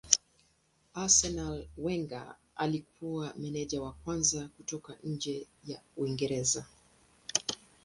Arsenal Wenger alikuwa meneja wa kwanza kutoka nje ya Uingereza.